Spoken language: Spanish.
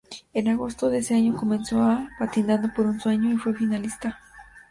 En agosto de ese año comenzó a "Patinando por un sueño" y fue finalista.